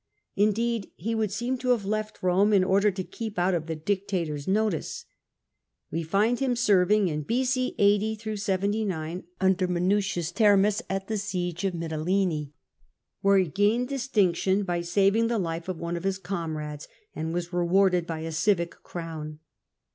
Indeed, he would seem to have left Rome in order to keep out of the dictator's notice. We find him serving in B.C. 80 79 B^nder Minucius Therm us at the siege of Mytilene, where he gained distinction by saving the life of one of his comrades, and was rewarded by a civic crown.